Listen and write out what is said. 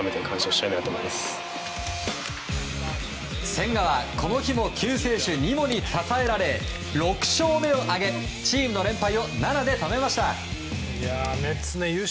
千賀はこの日も、救世主ニモに支えられ６勝目を挙げチームの連敗を７で止めました。